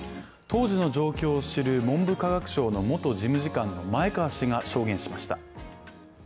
当時の状況を知る文部科学省の元事務次官の前川氏が証言しました。